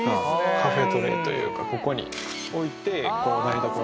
カフェトレーというかここに置いてこう。